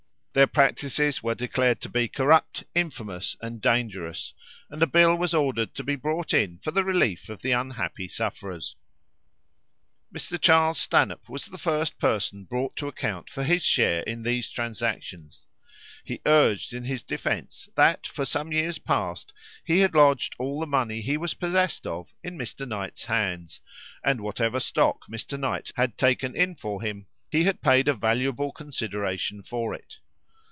Their practices were declared to be corrupt, infamous, and dangerous; and a bill was ordered to be brought in for the relief of the unhappy sufferers. [Illustration: BONFIRES ON TOWER HILL] Mr. Charles Stanhope was the first person brought to account for his share in these transactions. He urged in his defence that, for some years past, he had lodged all the money he was possessed of in Mr. Knight's hands, and whatever stock Mr. Knight had taken in for him, he had paid a valuable consideration for it.